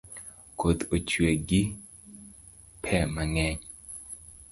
Koth ochue gi pe mang’eny